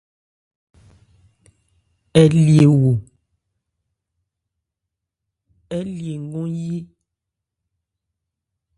Ɛɛ́ lye wo/nkɔ̂n yí.